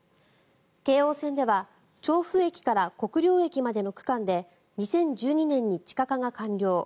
京王線では調布駅から国領駅までの区間で２０１２年に地下化が完了。